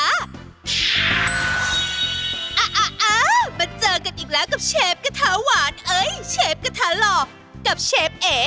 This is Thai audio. อ่ะมาเจอกันอีกแล้วกับเชฟกระทะหวานเอ้ยเชฟกระทะหล่อกับเชฟเอ๋